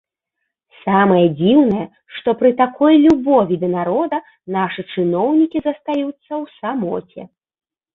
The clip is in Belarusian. Самае дзіўнае, што пры такой любові да народа нашы чыноўнікі застаюцца ў самоце.